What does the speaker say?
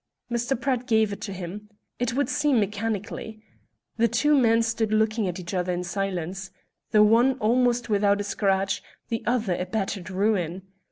Mr. Pratt gave it to him, it would seem, mechanically. The two men stood looking at each other in silence the one almost without a scratch, the other a battered ruin.